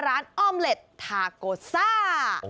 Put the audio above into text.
อ้อมเล็ตทาโกซ่า